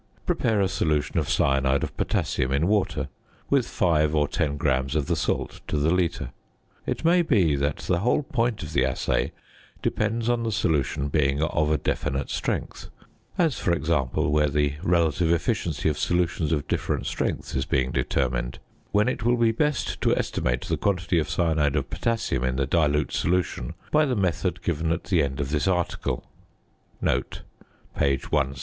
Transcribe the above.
Prepare a solution of cyanide of potassium in water, with 5 or 10 grams of the salt to the litre. It may be that the whole point of the assay depends on the solution being of a definite strength; as, for example, where the relative efficiency of solutions of different strengths is being determined, when it will be best to estimate the quantity of cyanide of potassium in the dilute solution by the method given at the end of this article (page 160).